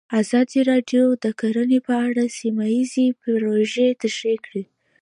ازادي راډیو د کرهنه په اړه سیمه ییزې پروژې تشریح کړې.